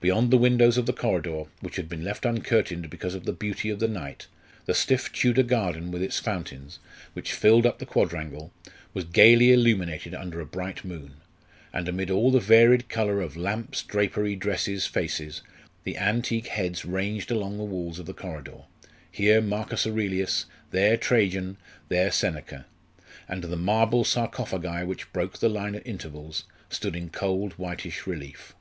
Beyond the windows of the corridor, which had been left uncurtained because of the beauty of the night, the stiff Tudor garden with its fountains, which filled up the quadrangle, was gaily illuminated under a bright moon; and amid all the varied colour of lamps, drapery, dresses, faces, the antique heads ranged along the walls of the corridor here Marcus Aurelius, there Trajan, there Seneca and the marble sarcophagi which broke the line at intervals, stood in cold, whitish relief.